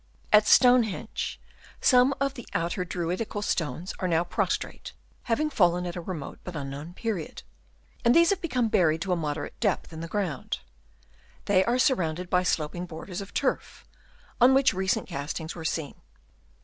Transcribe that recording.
At Stonehenge, some of the outer Druidical stones are now prostrate, having fallen at a remote but unknown period ; and these have become buried to a moderate depth in the ground. They are surrounded by sloping borders of turf, on which recent castings were seen.